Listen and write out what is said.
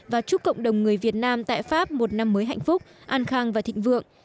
và chúc cộng đồng người việt nam tại pháp một năm mới hạnh phúc an khang và thịnh vượng